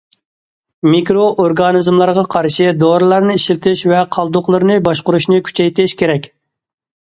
مىكرو ئورگانىزملارغا قارشى دورىلارنى ئىشلىتىش ۋە قالدۇقلىرىنى باشقۇرۇشنى كۈچەيتىش كېرەك.